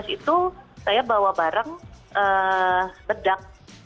dua ribu tujuh belas itu saya bawa barang bedak